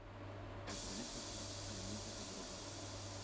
Гэта вялікая праца, але мы гэта зробім.